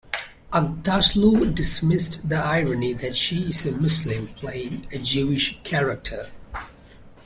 Aghdashloo dismissed the irony that she is a Muslim playing a Jewish character.